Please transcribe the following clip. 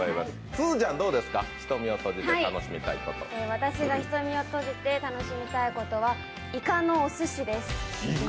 私が瞳をとじて楽しみたいことはいかのおすしです。